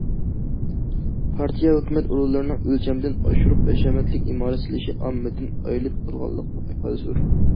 پارتىيە، ھۆكۈمەت ئورۇنلىرىنىڭ ئۆلچەمدىن ئاشۇرۇپ ھەشەمەتلىك ئىمارەت سېلىشى ئاممىدىن ئايرىلىپ قالغانلىقنىڭ ئىپادىسىدۇر.